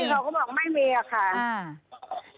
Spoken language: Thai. รุ่นพี่เขาก็บอกว่าไม่มีค่ะ